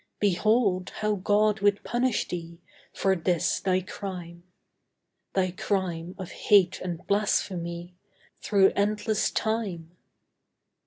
Behold, how God would punish thee For this thy crime Thy crime of hate and blasphemy Through endless time!